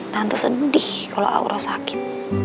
tante sedih kalau auro sakit